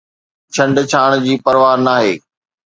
ڇنڊڇاڻ جي پرواهه ناهي